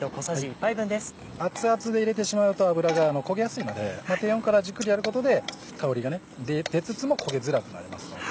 熱々で入れてしまうと油が焦げやすいので低温からじっくりやることで香りが出つつも焦げづらくなりますので。